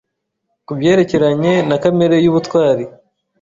kubyerekeranye na kamere yubutwari